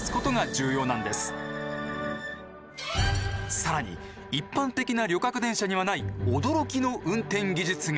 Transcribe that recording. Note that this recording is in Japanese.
更に一般的な旅客電車にはない驚きの運転技術が。